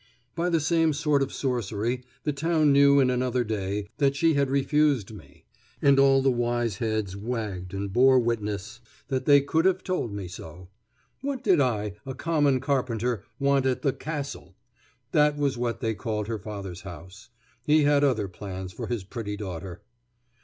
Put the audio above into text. By the same sort of sorcery the town knew in another day that she had refused me, and all the wise heads wagged and bore witness that they could have told me so. What did I, a common carpenter, want at the "castle"? That was what they called her father's house. He had other plans for his pretty daughter.